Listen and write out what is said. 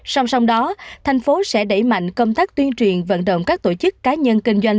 song song đó thành phố sẽ đẩy mạnh công tác tuyên truyền vận động các tổ chức cá nhân kinh doanh